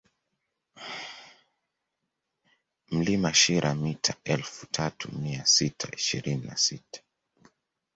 Mlima Shira mita elfu tatu mia sita ishirini na sita